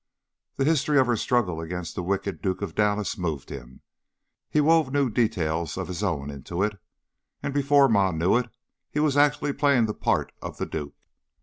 The history of her struggle against the wicked Duke of Dallas moved him; he wove new details of his own into it, and before Ma knew it he was actually playing the part of the duke.